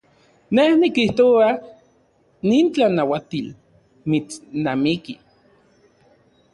Ne nikijtoa nin tlanauatil mitsnamiki.